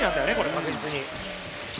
確実に。